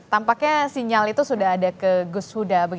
tampaknya sinyal itu sudah ada ke gus huda